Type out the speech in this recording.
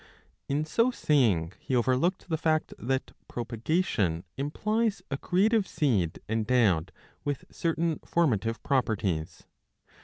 ^ In so saying he overlooked the fact that propagation implies a creative seed endowed with certain formative properties.